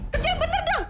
kerja bener dong